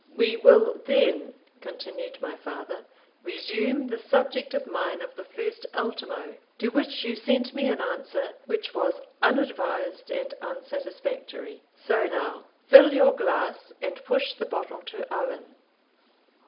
"We will then," continued my father, "resume the subject of mine of the 1st ultimo, to which you sent me an answer which was unadvised and unsatisfactory. So now, fill your glass, and push the bottle to Owen."